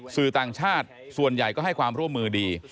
สื่อต่างชาติส่วนใหญ่ก็ให้ความร่วมมือดี